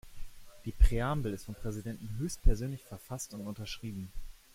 Die Präambel ist vom Präsidenten höchstpersönlich verfasst und unterschrieben.